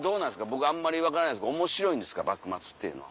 僕あんまり分からないんです面白いんですか幕末というのは。